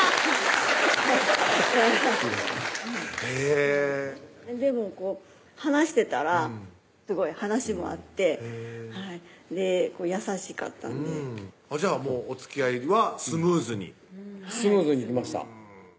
へぇでもこう話してたらすごい話も合って優しかったんでじゃあもうおつきあいはスムーズにスムーズにいきました